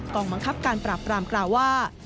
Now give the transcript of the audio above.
องบังคับการปราบรามกล่าวว่า